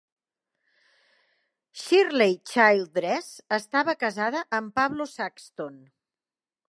Shirley Childress estava casada amb Pablo Saxton.